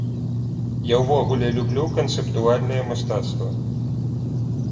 Я ўвогуле люблю канцэптуальнае мастацтва.